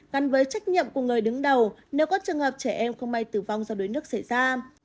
gắn với trách nhiệm của người đứng đầu nếu có trường hợp trẻ em không may tử vong do đuối nước xảy ra